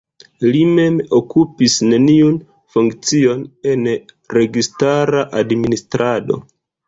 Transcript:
Li mem okupis neniun funkcion en registara administrado.